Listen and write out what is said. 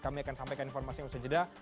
kami akan sampaikan informasi yang sudah jeda